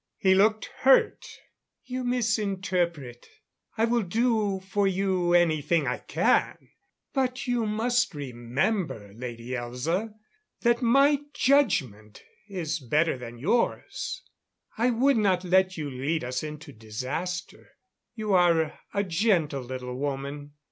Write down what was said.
He looked hurt. "You misinterpret. I will do for you anything I can. But you must remember, Lady Elza, that my judgment is better than yours. I would not let you lead us into disaster. You are a gentle little woman.